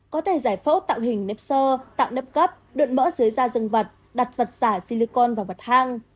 có thể giải phẫu tạo hình nếp sơ tạo nếp cấp đựn mỡ dưới da rừng vật đặt vật giả silicon vào vật hang